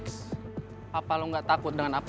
kehabisan inilah dia sentuh gak are